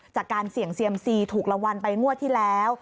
จากการเสี่ยงเซียมซีถูกรางวัลไปงวดที่แล้ว